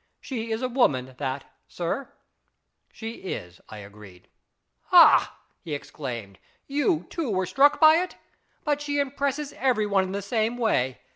She is a woman, that, sir/' " She is," I agreed. " Ha !" he exclaimed. " You, too, were struck by it ? But she impresses every one in the same way.